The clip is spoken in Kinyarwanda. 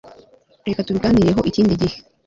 reka tubiganireho ikindi gihe